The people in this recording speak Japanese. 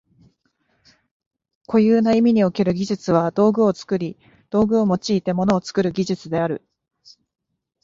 固有な意味における技術は道具を作り、道具を用いて物を作る技術である。